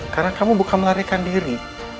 karena kamu bukan menyerahkan diri